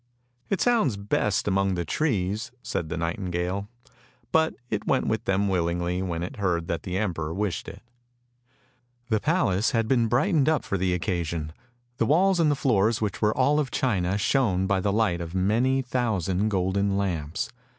" It sounds best among the trees," said the nightingale, but it went with them willingly when it heard that the emperor wished it. The palace had been brightened up for the occasion. The walls and the floors which were all of china shone by the light of many thousand golden lamps.